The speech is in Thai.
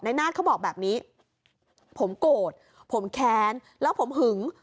นาฏเขาบอกแบบนี้ผมโกรธผมแค้นแล้วผมหึง